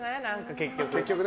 結局。